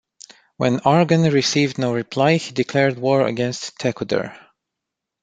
When Arghun received no reply, he declared war against Tekuder.